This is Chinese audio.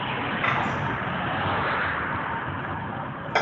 主要用于攻击装甲目标和人员。